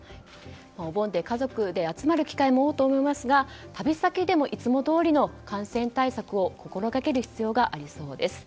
お盆で家族で集まる機会も多いと思いますが旅先でもいつもどおりの感染対策を心がける必要がありそうです。